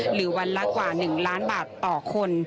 หรือวันละกว่า๑ล้านบาทต่อคน